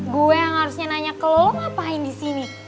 gue yang harusnya nanya ke lolo ngapain di sini